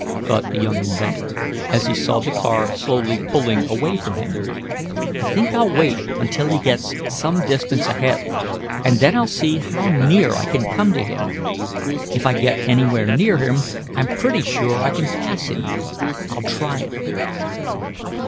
thought the young inventor, as he saw the car slowly pulling away from him. "I think I'll wait until he gets some distance ahead, and then I'll see how near I can come to him. If I get anywhere near him I'm pretty sure I can pass him. I'll try it."